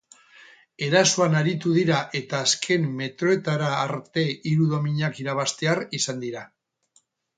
Erasoan aritu dira eta azken metroetara arte hiru dominak irabaztear izan dira.